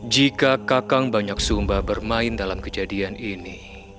jika kakang banyak sumba bermain dalam kejadian ini